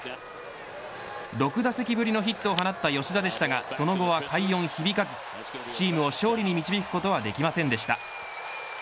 ６打席ぶりのヒットを放った吉田でしたがその後は快音響かずチームを勝利に導くことはできませんでした。